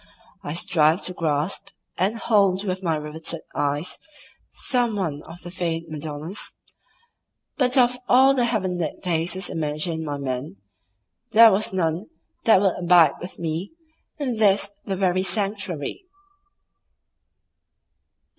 I strived to grasp and hold with my riveted eyes some one of the feigned Madonnas, but of all the heaven lit faces imagined by men there was none that would abide with me in this the very sanctuary.